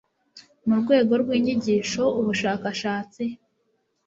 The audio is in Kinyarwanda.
mu rwego rw inyigisho ubushakashatsi